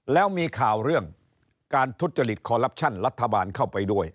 แล้วมีข่าวเรื่องการทุจริตคอลลับชั่นรัฐบาลเข้าไปด้วย